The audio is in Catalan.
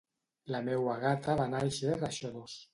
La meua gata va nàixer a Xodos.